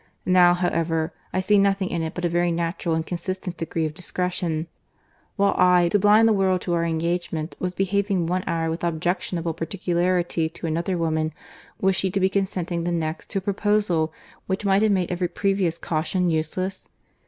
Now, however, I see nothing in it but a very natural and consistent degree of discretion. While I, to blind the world to our engagement, was behaving one hour with objectionable particularity to another woman, was she to be consenting the next to a proposal which might have made every previous caution useless?